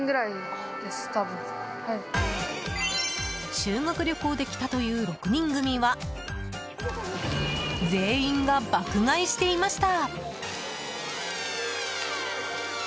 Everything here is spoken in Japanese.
修学旅行で来たという６人組は全員が爆買いしていました。